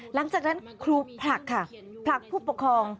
หลังจากนั้นครูผลักค่ะผลักผู้ปกครอง